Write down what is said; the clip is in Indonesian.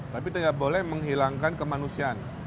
tapi tidak boleh menghilangkan kemanusiaan